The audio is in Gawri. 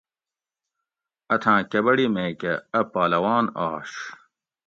اتھاں کبڑی میکہ اۤ پہلوان آش